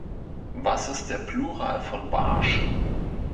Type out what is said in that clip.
Was ist der Plural von Barsch?